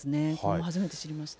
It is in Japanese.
初めて知りました。